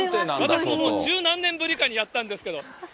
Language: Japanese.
私も十何年ぶりかにやったんですけど。